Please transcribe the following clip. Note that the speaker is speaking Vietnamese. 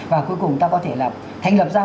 và cuối cùng ta có thể là thành lập ra